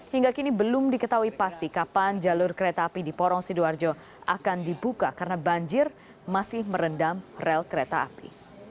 hingga kini belum diketahui pasti kapan jalur kereta api di porong sidoarjo akan dibuka karena banjir masih merendam rel kereta api